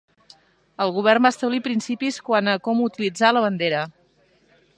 El govern va establir principis quant a com utilitzar la bandera.